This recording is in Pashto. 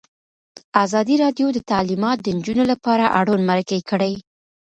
ازادي راډیو د تعلیمات د نجونو لپاره اړوند مرکې کړي.